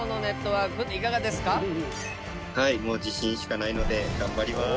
はいもう自信しかないので頑張ります。